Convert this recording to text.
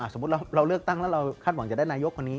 สมมุติเราเลือกตั้งแล้วเราคาดหวังจะได้นายกคนนี้